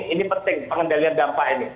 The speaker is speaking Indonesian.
ini penting pengendalian dampak ini